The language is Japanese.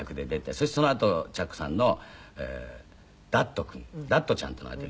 そしてそのあとチャックさんの『ダットくん』ダットちゃんっていうのができて。